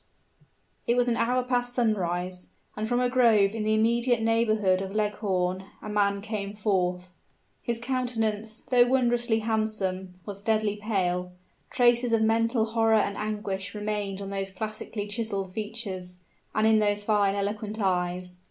It was an hour past sunrise; and from a grove in the immediate neighborhood of Leghorn a man came forth. His countenance, though wondrously handsome, was deadly pale; traces of mental horror and anguish remained on those classically chiseled features, and in those fine eloquent eyes.